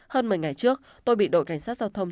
hơn một mươi ngày trước tôi bị đội cảnh sát giao thông